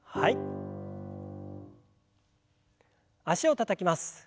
脚をたたきます。